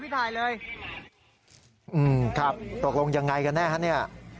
อืมครับตกลงยังไงกันแน่ครับเนี่ย